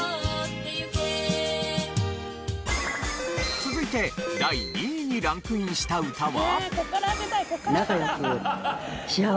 続いて第２位にランクインした歌は？